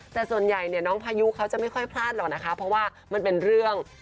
แต่ส่วนใหญ่เนี่ยน้องพายุเขาจะไม่ค่อยพลาดหรอกนะคะเพราะว่ามันเป็นเรื่อง